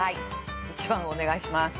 １番お願いします。